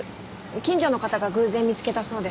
近所の方が偶然見つけたそうで。